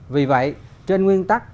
vì vậy trên nguyên tắc